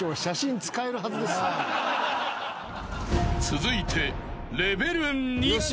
［続いて］